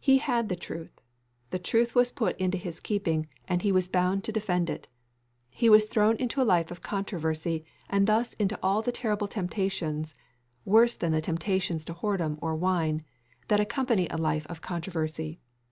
He had the truth. The truth was put into his keeping, and he was bound to defend it. He was thrown into a life of controversy, and thus into all the terrible temptations worse than the temptations to whoredom or wine that accompany a life of controversy.